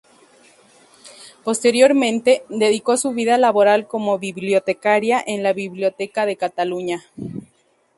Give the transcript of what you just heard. Posteriormente, dedicó su vida laboral como bibliotecaria en la Biblioteca de Cataluña.